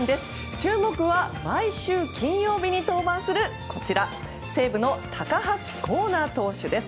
注目は毎週金曜日に登板する西武の高橋光成投手です。